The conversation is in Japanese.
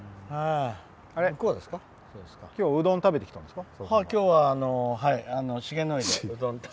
今日、うどん食べてきたんですか？